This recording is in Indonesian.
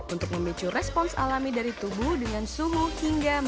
untuk memicu respons alami dari tubuh dengan suhu hingga matang